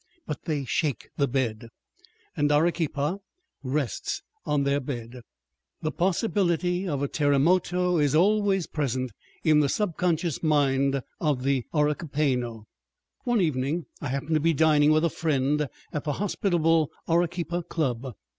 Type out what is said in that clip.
But they shake the bed! And Arequipa rests on their bed. The possibility of a "terremoto" is always present in the subconscious mind of the Arequipeño. One evening I happened to be dining with a friend at the hospitable Arequipa Club.